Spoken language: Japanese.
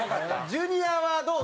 ジュニアはどう？